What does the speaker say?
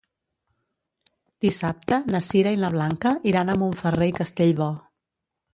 Dissabte na Sira i na Blanca iran a Montferrer i Castellbò.